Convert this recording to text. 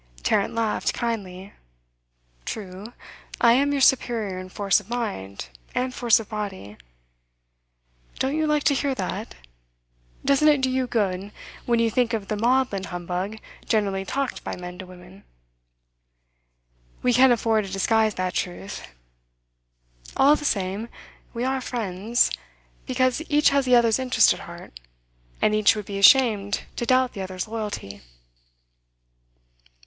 Tarrant laughed kindly. 'True, I am your superior in force of mind and force of body. Don't you like to hear that? Doesn't it do you good when you think of the maudlin humbug generally talked by men to women? We can't afford to disguise that truth. All the same, we are friends, because each has the other's interest at heart, and each would be ashamed to doubt the other's loyalty.